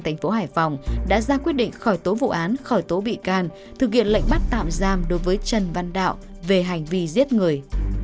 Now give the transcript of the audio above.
trần văn đạo đã ra quyết định khỏi tố vụ án khỏi tố bị can thực hiện lệnh bắt tạm giam đối với trần văn đạo về hành vi giết người